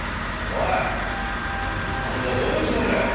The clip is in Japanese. おい！あんたどういうつもりだよ！？